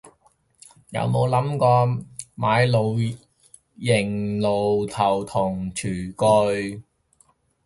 又有諗過買露營爐頭同廚具